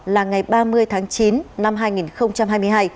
là ngày ba mươi tháng chín năm hai nghìn hai mươi hai